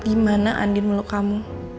gimana andin meluk kamu